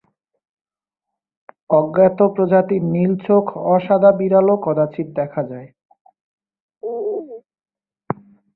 অজ্ঞাত প্রজাতির নীল-চোখ অ-সাদা বিড়ালও কদাচিৎ দেখা যায়।